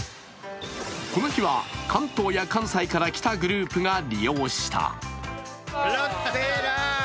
この日は関東や関西から来たグループが利用した。